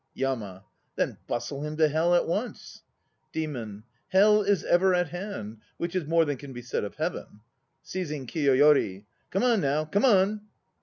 YAMA. Then bustle him to Hell at once. DEMON. "Hell is ever at hand," * which is more than Can be said of Heaven. (Seizing KIYOYORI.) Come on, now, come on!